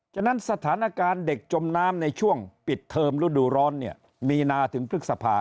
ฉะนั้นสถานการณ์เด็กจมน้ำในช่วงปิดเทอมฤดูร้อนเนี่ยมีนาถึงพฤษภา